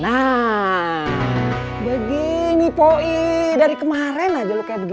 nah begini po ii dari kemarin aja lu kayak begini